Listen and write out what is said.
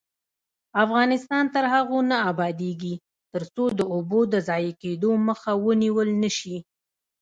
افغانستان تر هغو نه ابادیږي، ترڅو د اوبو د ضایع کیدو مخه ونیول نشي.